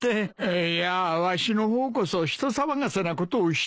いやわしの方こそ人騒がせなことをしてすまん。